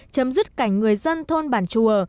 chấm dứt cảnh người dân thôn bản chùa